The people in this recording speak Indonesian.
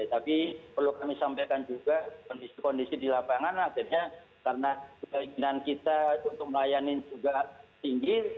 tapi perlu kami sampaikan juga kondisi kondisi di lapangan akhirnya karena keinginan kita untuk melayani juga tinggi